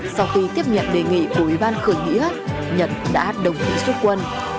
sau khi tiếp nhận đề nghị của ủy ban khởi nghĩa nhật đã đồng ý xuất quân